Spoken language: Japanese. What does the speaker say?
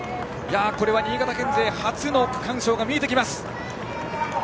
これは新潟県勢で初の区間賞が見えてきます。